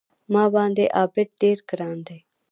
ما باندې عابد ډېر ګران دی